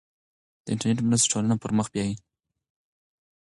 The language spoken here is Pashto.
د انټرنیټ مرسته ټولنه پرمخ بیايي.